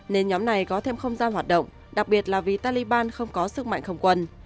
nên nhóm này có thêm không gian hoạt động đặc biệt là vì taliban không có sức mạnh không quân